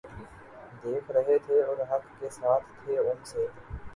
دیکھ رہے تھے اور حق کے ساتھ تھے ان سے